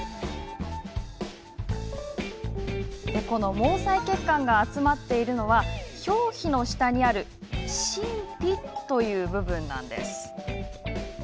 この毛細血管が集まっているのは表皮の下にある真皮という部分。